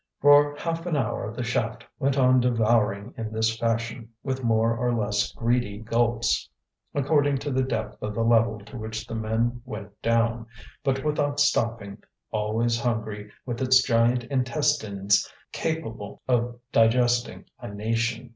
For half an hour the shaft went on devouring in this fashion, with more or less greedy gulps, according to the depth of the level to which the men went down, but without stopping, always hungry, with its giant intestines capable of digesting a nation.